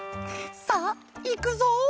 さあいくぞ」。